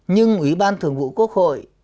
nhưng ủy ban thường vụ quốc hội